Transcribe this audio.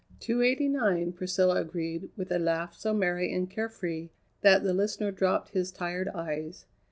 "Two eighty nine," Priscilla agreed, with a laugh so merry and carefree that the listener dropped his tired eyes.